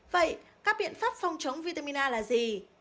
vậy các biện pháp phòng chống vitamin a là gì